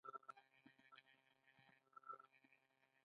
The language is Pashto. ایا ستاسو اختراع ګټوره ده؟